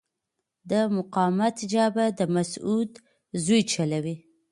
د مقاومت جبهه د مسعود ژوی چلوي.